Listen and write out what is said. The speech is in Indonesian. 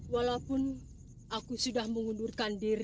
walaupun aku sudah mengundurkan diri